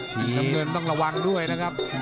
น้ำเงินต้องระวังด้วยนะครับ